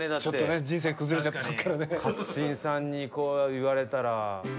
勝新さんにこう言われたら。